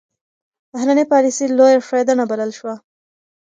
بهرنۍ پالیسي لویه ښوېېدنه بلل شوه.